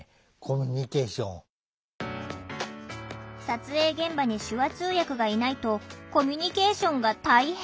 撮影現場に手話通訳がいないとコミュニケーションが大変。